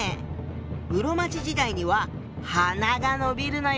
室町時代には鼻が伸びるのよ！